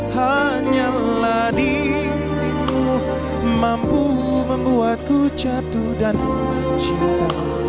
hanyalah diriku mampu membuatku jatuh dan mencinta